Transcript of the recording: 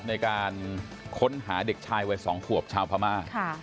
ในการค้นหาเด็กชายวัย๒ขวบชาวพม่า